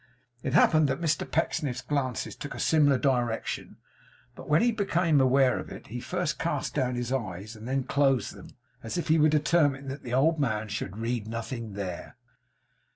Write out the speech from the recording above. It happened that Mr Pecksniff's glances took a similar direction; but when he became aware of it, he first cast down his eyes, and then closed them; as if he were determined that the old man should read nothing there.